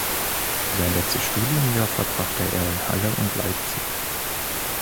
Sein letztes Studienjahr verbrachte er in Halle und Leipzig.